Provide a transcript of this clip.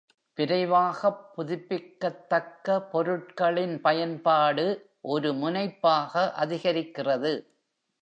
விரைவாகப் புதுப்பிக்கத்தக்க பொருட்களின் பயன்பாடு ஒரு முனைப்பாக அதிகரிக்கிறது.